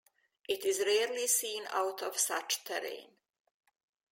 It is rarely seen out of such terrain.